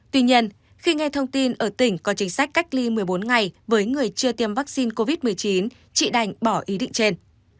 tuy nhiên khi nghe thông tin ở tỉnh có chính sách cách ly một mươi bốn ngày với người chưa tiêm vaccine covid một mươi chín chị đành bỏ ý định trên